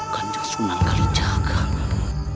kanjeng sunan kali jaga